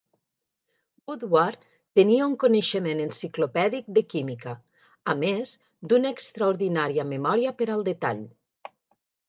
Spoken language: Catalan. Woodward tenia un coneixement enciclopèdic de química, a més d"una extraordinària memòria per al detall.